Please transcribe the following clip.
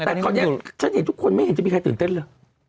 แต่ตอนนี้ทุกคนไม่เห็นจะมีใครตื่นเต้นเลย